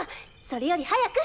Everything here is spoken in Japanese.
それより早く！